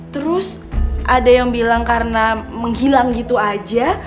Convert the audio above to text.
terus ada yang bilang karena menghilang gitu aja